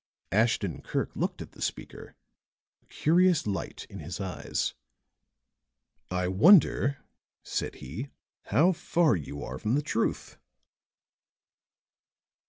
Ashton Kirk looked at the speaker, a curious light in his eyes. "I wonder," said he, "how far you are from the truth?"